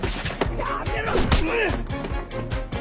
やめろ！